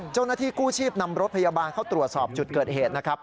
เจ้าหน้าที่กู้ชีพนำรถพยาบาลเข้าตรวจสอบจุดเกิดเหตุนะครับ